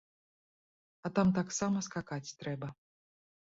А там таксама скакаць трэба!